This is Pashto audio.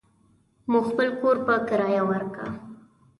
مو خپل کور په کريه وارکه.